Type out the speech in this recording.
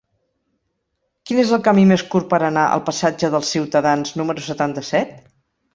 Quin és el camí més curt per anar al passatge dels Ciutadans número setanta-set?